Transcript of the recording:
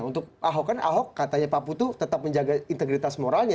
untuk paho kan paho katanya tetap menjaga integritas moralnya